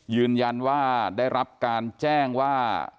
ยืนยันว่าได้รับการแจ้งว่า